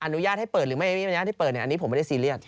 อนุญาตให้เปิดหรือไม่มีอนุญาตที่เปิดอันนี้ผมไม่ได้ซีเรียส